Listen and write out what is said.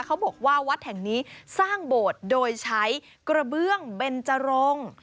เขาบอกว่าวัดแห่งนี้สร้างโบสถ์โดยใช้กระเบื้องเบนจรง